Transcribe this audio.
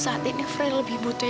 saat ini fred lebih butuh